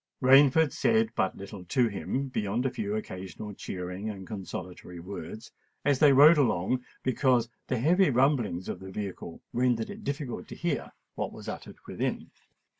Rainford said but little to him, beyond a few occasional cheering and consolatory words, as they rode along, because the heavy rumbling of the vehicle rendered it difficult to hear what was uttered within.